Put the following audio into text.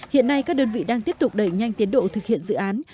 hiện nay các đơn vị đang tiếp tục đẩy nhanh tiến độ thực hiện dự án